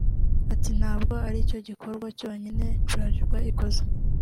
Ati “Ntabwo ari cyo gikorwa cyonyine Bralirwa ikoze